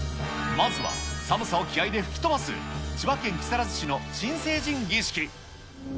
まずは、寒さを気合いで吹き飛ばす、千葉県木更津市の新成人儀式。